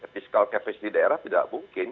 fiskal capacity daerah tidak mungkin